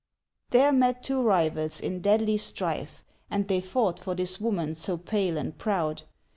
There met two rivals in deadly strife, And they fought for this woman so pale and proud.